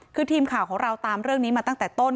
คือทีมข่าวของเราตามเรื่องนี้มาตั้งแต่ต้น